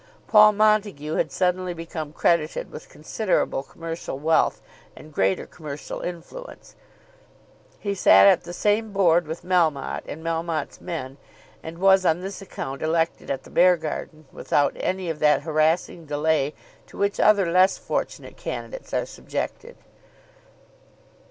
Paul Montague had suddenly become credited with considerable commercial wealth and greater commercial influence. He sat at the same Board with Melmotte and Melmotte's men; and was on this account elected at the Beargarden without any of that harassing delay to which other less fortunate candidates are subjected.